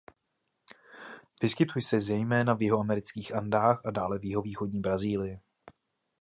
Vyskytuje se zejména v jihoamerických Andách a dále v jihovýchodní Brazílii.